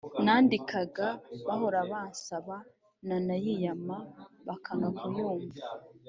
nandikiraga bahora bansaza, nanabiyama bakanga kunyumva